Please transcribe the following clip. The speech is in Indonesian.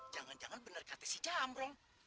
jangan jangan benar kata si jambrong